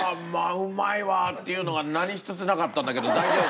うまいわ！っていうのが何一つなかったんだけど大丈夫？